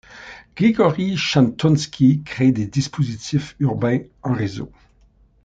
Grégory Chatonsky crée des dispositifs urbains en réseau.